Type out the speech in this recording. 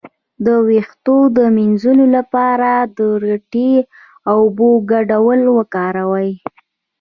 د ویښتو د مینځلو لپاره د ریټې او اوبو ګډول وکاروئ